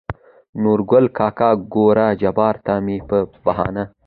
نورګل کاکا: ګوره جباره ته مې په بهانه